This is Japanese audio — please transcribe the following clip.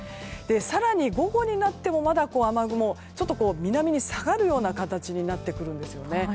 更に午後になってもまだ雨雲が南に下がるような形になってくるんですね。